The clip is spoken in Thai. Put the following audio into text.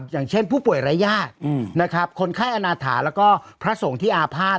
อย่างเช่นผู้ป่วยรายญาตินะครับคนไข้อาณาถาแล้วก็พระสงฆ์ที่อาภาษณ